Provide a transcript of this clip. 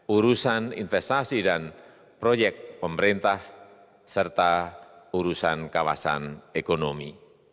urusan investasi dan proyek pemerintah serta urusan kawasan ekonomi